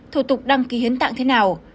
thủ tục đăng ký hiến tạng thế nào